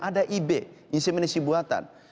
ada ib inseminasi buatan